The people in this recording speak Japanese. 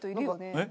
えっ？